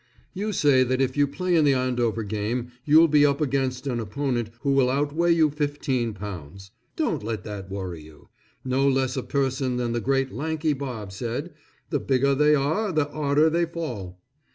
You say that if you play in the Andover game you'll be up against an opponent who will out weigh you fifteen pounds. Don't let that worry you. No less a person than the great Lanky Bob said, "The bigger they are the 'arder they fall."